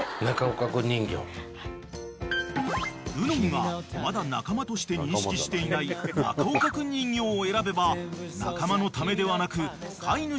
［るのんがまだ仲間として認識していない中岡くん人形を選べば仲間のためではなく飼い主さんを喜ばせるためということになる］